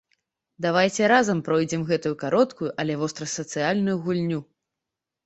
Давайце разам пройдзем гэтую кароткую, але вострасацыяльную гульню.